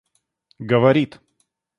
говорит